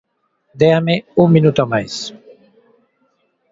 Déame un minuto máis.